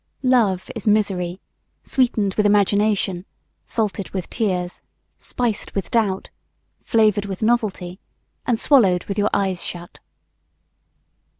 Love is misery sweetened with imagination, salted with tears, spiced with doubt, flavored with novelty, and swallowed with your eyes shut.